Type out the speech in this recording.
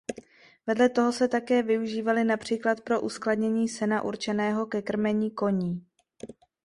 Vedle toho se také využívaly například pro uskladnění sena určeného ke krmení koní.